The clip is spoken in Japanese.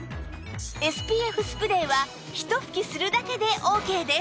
ＳＰＦ スプレーはひと吹きするだけでオーケーです